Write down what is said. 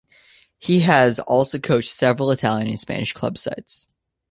He has also coached several Italian and Spanish club sides.